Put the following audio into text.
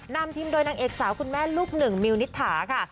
นำทีมโดยนางเอกสาวคุณแม่ลูกหนึ่งมิวนิษฐาค่ะ